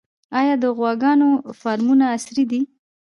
آیا د غواګانو فارمونه عصري دي؟